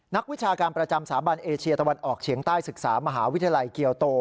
นักวิชาการประจำสาบันเอเชียตะวันออกเฉียงใต้ศึกษามหาวิทยาลัยเกียวโต